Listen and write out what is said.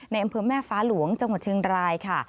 อำเภอแม่ฟ้าหลวงจังหวัดเชียงรายค่ะ